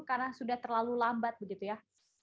karena sudah terlalu lambat begitu ya